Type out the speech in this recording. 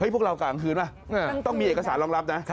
พวกเรากลางคืนป่ะต้องมีเอกสารรองรับนะ